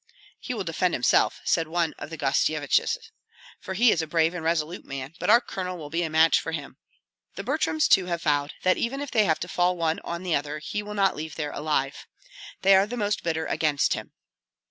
"He will defend himself," said one of the Gostsyeviches, "for he is a brave and resolute man; but our colonel will be a match for him." "The Butryms too have vowed that even if they have to fall one on the other, he will not leave there alive. They are the most bitter against him."